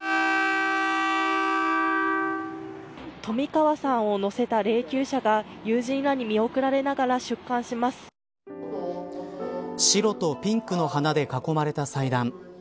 冨川さんを乗せた霊きゅう車が友人らに見送られながら白とピンクの花で囲まれた祭壇。